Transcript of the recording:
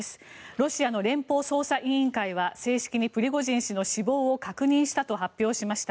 ロシアの連邦調査委員会は正式にプリゴジン氏の死亡を確認したと発表しました。